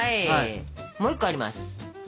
もう１個あります。